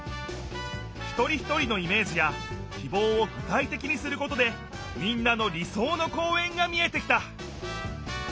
ひとりひとりのイメージやきぼうをぐたいてきにすることでみんなの理そうの公園が見えてきた！